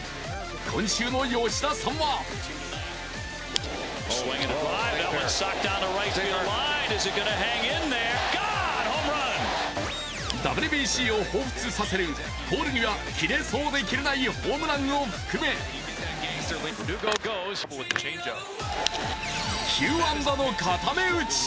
今週の吉田さんはＷＢＣをほうふつさせるポール際、切れそうで切れないホームランを含め、９安打の固め打ち。